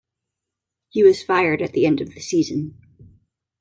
He was fired at the end of the season.